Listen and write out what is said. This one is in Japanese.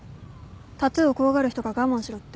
タトゥーを怖がる人が我慢しろって？